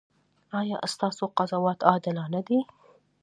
ایا ستاسو قضاوت عادلانه دی؟